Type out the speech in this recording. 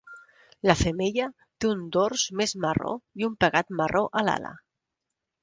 La femella té un dors més marró i un pegat marró a l'ala.